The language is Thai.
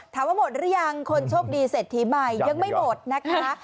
ถามว่าหมดหรือยังคนโชคดีเศรษฐีใหม่ยังไม่หมดนะคะ